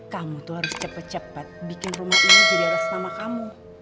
kamu tuh harus cepet cepet bikin rumah ini jadi ada senama kamu